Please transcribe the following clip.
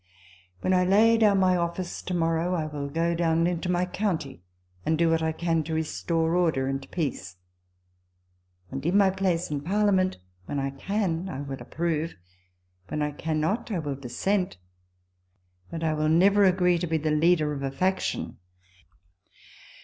When I lay down my office to morrow, I will go down into my county, and do what I can to restore order and peace. And in my place in Parliament, when I can, I will approve ; when I cannot, I will dissent, but I will never agree to be the leader of a faction.